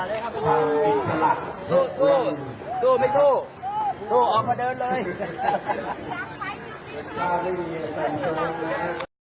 สู้สู้ไม่สู้สู้ออกมาเดินเลย